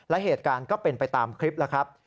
และเหตุการณ์ก็เป็นไปตามคลิปแล้วครับ